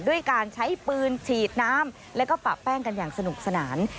ด้วยการใช้ปืนฉีดน้ำแล้วก็ปะแป้งกันอย่างสนุกสนาน